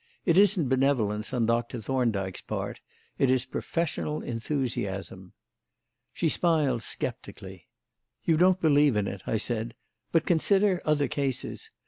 It isn't benevolence on Doctor Thorndyke's part; it is professional enthusiasm." She smiled sceptically. "You don't believe in it," I said; "but consider other cases.